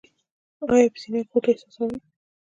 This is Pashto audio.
ایا په سینه کې غوټه احساسوئ؟